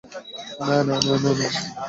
না, না, না, না, না, না!